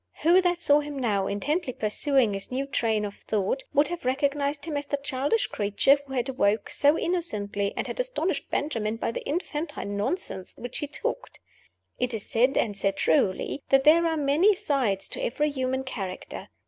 Who that saw him now, intently pursuing his new train of thought, would have recognized him as the childish creature who had awoke so innocently, and had astonished Benjamin by the infantine nonsense which he talked? It is said, and said truly, that there are many sides to every human character.